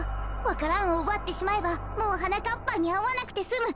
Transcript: わか蘭をうばってしまえばもうはなかっぱんにあわなくてすむ。